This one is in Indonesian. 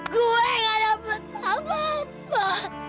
gue yang dapat apa apa